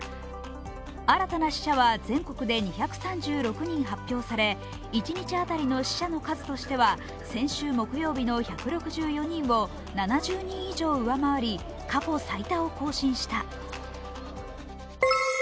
新たな死者は全国で２３６人発表され一日当たりの死者の数としては先週木曜日の１６４人を７０人以上上回り過去最多を更新した。